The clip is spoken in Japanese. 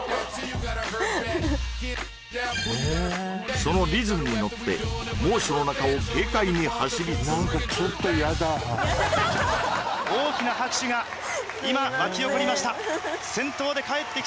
そのリズムにノって猛暑の中を軽快に走り続け大きな拍手が今巻き起こりました